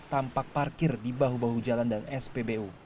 tampak parkir di bahu bahu jalan dan spbu